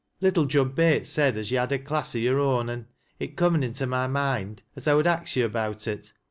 Little Jud Bates said as yo' had a class o' yore own, an' it comn into my moind as I would ax yo' about it.